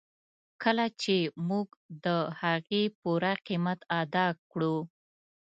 کله چې موږ د هغې پوره قیمت ادا کړو.